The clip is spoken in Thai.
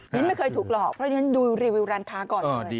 ฉันไม่เคยถูกหลอกเพราะฉะนั้นดูรีวิวร้านค้าก่อนเลย